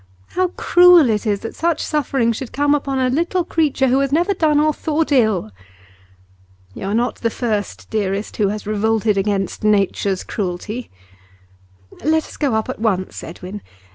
How cruel it is that such suffering should come upon a little creature who has never done or thought ill!' 'You are not the first, dearest, who has revolted against nature's cruelty.' 'Let us go up at once, Edwin.